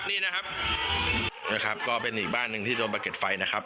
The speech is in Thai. นี่นะครับนะครับก็เป็นอีกบ้านหนึ่งที่โดนประเก็ดไฟนะครับ